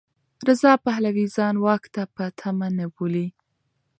رضا پهلوي ځان واک ته په تمه نه بولي.